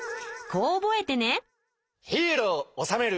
こう覚えてね。